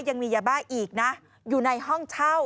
ยังมียาบ้าอีกนะอยู่ในห้องเช่า